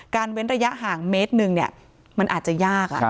การเว้นระยะห่าง๑เมตรมันอาจจะยาก